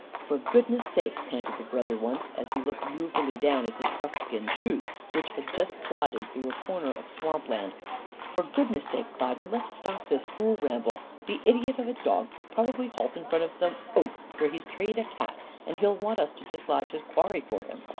"For goodness' sake!" panted the brother, once, as he looked ruefully down at his buckskin shoes which had just plodded through a corner of swamp land. "For goodness' sake, Klyda, let's stop this fool ramble! The idiot of a dog will probably halt in front of some oak where he's treed a cat, and he'll want us to dislodge his quarry for him.